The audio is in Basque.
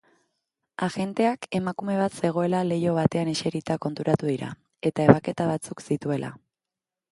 Agenteak emakume bat zegoela leiho batean eserita konturatu dira eta ebaketa batzuk zituela.